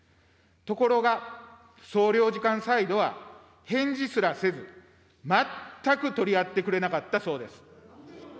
ところが、総領事館サイドは返事すらせず、まったく取り合ってくれなかったそうです。